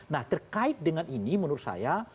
nah terkait dengan ini menurut saya